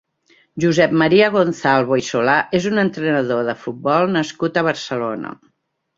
Josep Maria Gonzalvo i Solà és un entrenador de futbol nascut a Barcelona.